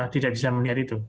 tidak bisa melihat itu